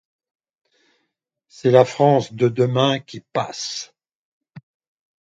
C'est la France de demain qui passe.